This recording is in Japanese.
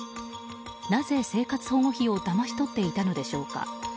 なぜ、生活保護費をだまし取っていたのでしょうか。